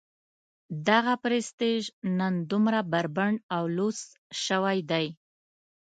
دغه پرستیژ نن دومره بربنډ او لوڅ شوی دی.